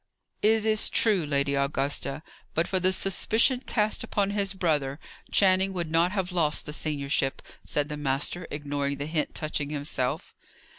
"It is true, Lady Augusta. But for the suspicion cast upon his brother, Channing would not have lost the seniorship," said the master, ignoring the hint touching himself.